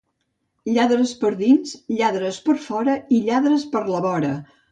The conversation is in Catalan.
Lladres per dins, lladres per fora i lladres per la vora.